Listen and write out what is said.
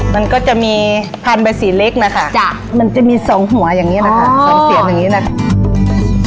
มันก็จะมีพันธีเล็กนะคะมันจะมีสองหัวอย่างนี้นะคะสองเสียงอย่างนี้นะคะ